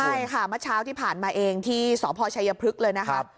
ใช่ค่ะเมื่อเช้าที่ผ่านมาเองที่สพชัยพฤกษ์เลยนะครับ